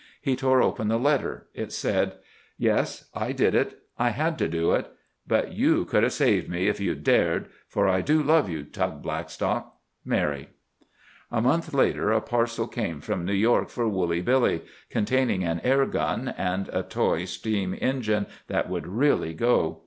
He tore open the letter. It said: Yes, I did it. I had to do it. But you could have saved me, if you'd dared—for I do love you, Tug Blackstock.—Mary. A month later, a parcel came from New York for Woolly Billy, containing an air gun, and a toy steam engine that would really go.